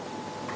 hồi đó là